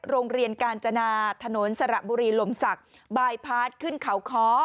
โรงเรียนกาญจนาถนนสระบุรีลมศักดิ์บายพาสขึ้นเขาค้อ